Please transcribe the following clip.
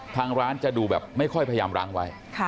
ทางร้านจะดูแบบไม่ค่อยพยายามร้างไว้